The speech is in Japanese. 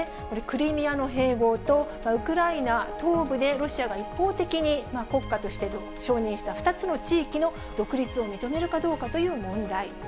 これ、クリミアの併合と、ウクライナ東部でロシアが一方的に国家として承認した２つの地域の独立を認めるかどうかという問題。